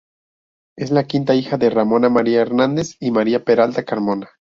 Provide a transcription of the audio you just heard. Es la quinta hija de Ramón María Hernández y María Peralta Carmona.